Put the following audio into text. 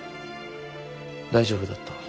大丈夫だった。